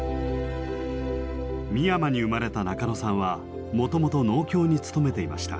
美山に生まれた中野さんはもともと農協に勤めていました。